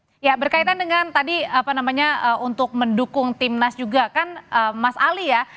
oke ya berkaitan dengan tadi apa namanya untuk mendukung timnas juga kan mas ali ya